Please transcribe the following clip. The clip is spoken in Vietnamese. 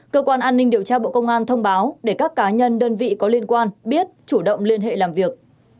cơ quan an ninh điều tra bộ công an thông báo để các cá nhân đơn vị có liên quan biết chủ động liên hệ làm việc